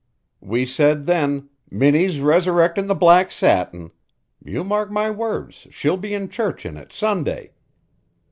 We said then: 'Minnie's resurrectin' the black satin.' You mark my words she'll be in church in it Sunday.